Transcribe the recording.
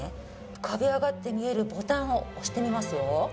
浮かび上がって見えるボタンを押してみますよ。